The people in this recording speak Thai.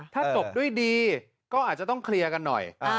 ถ้าจบด้วยดีก็อาจจะต้องเคลียร์กันหน่อย